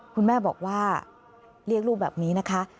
คุณแม่บอกว่าเรียกลูกแบบนี้นะคะ